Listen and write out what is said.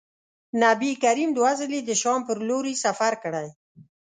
نبي کریم دوه ځلي د شام پر لوري سفر کړی.